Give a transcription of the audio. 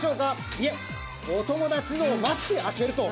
いえ、お友達のを待って開けると。